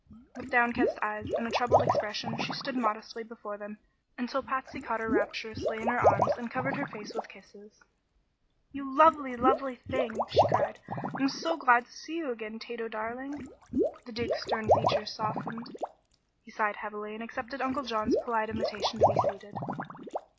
With downcast eyes and a troubled expression she stood modestly before them until Patsy caught her rapturously in her arms and covered her face with kisses. "You lovely, lovely thing!" she cried. "I'm so glad to see you again, Tato darling!" The Duke's stern features softened. He sighed heavily and accepted Uncle John's polite invitation to be seated.